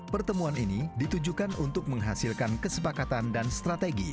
pertemuan ini ditujukan untuk menghasilkan kesepakatan dan strategi